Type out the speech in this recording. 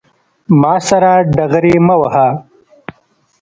ما سره ډغرې مه وهه